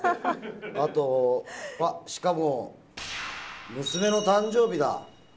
あとは、しかも娘の誕生日だ。